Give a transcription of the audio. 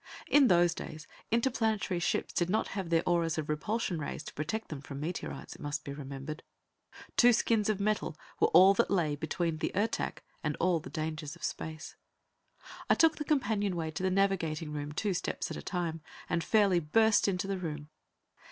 In those days, interplanetary ships did not have their auras of repulsion rays to protect them from meteorites, it must be remembered. Two skins of metal were all that lay between the Ertak and all the dangers of space. I took the companionway to the navigating room two steps at a time and fairly burst into the room.